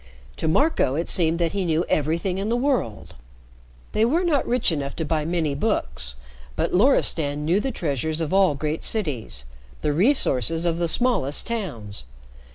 To Marco it seemed that he knew everything in the world. They were not rich enough to buy many books, but Loristan knew the treasures of all great cities, the resources of the smallest towns.